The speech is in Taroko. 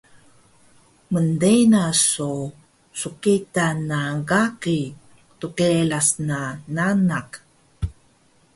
mntena so sqita na gagi dqeras na nanak